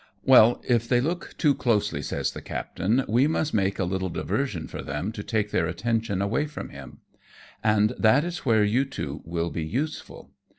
" Well, if they look too closely/' says the captain, " we must make a little diversion for them to take their attention away from him, and that is where you two will be useful.